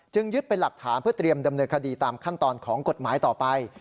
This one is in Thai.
ยึดเป็นหลักฐานเพื่อเตรียมดำเนินคดีตามขั้นตอนของกฎหมายต่อไป